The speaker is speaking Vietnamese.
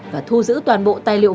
và thu giữ toàn bộ tài liệu